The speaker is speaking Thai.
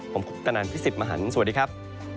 ผมคุปตนันพี่สิทธิ์มหันฯสวัสดีครับ